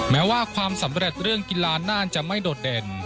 แม้ว่าความสำเร็จเรื่องกีฬาน่าจะไม่โดดเด่น